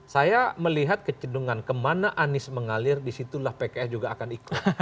saya melihat kecenderungan kemana anies mengalir di situlah pks juga akan ikut